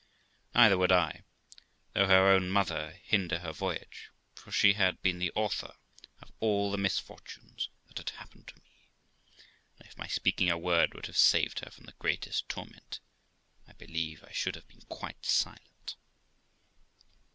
Neither would I, though her own mother, hinder her voyage, for she had been the author of all the misfortunes that had happened to me; and, if my speaking a word would have saved her from the greatest torment, I believe I should have been quite silent.